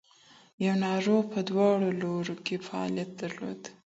یو ناروغ په دواړو لورو کې فعالیت درلود.